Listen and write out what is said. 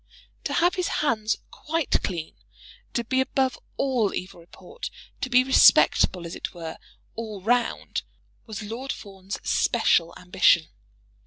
To have his hands quite clean, to be above all evil report, to be respectable, as it were, all round, was Lord Fawn's special ambition.